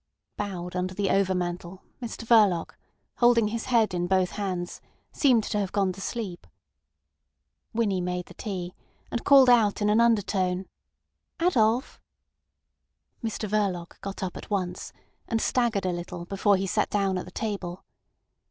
Bowed under the overmantel, Mr Verloc, holding his head in both hands, seemed to have gone to sleep. Winnie made the tea, and called out in an undertone: "Adolf." Mr Verloc got up at once, and staggered a little before he sat down at the table.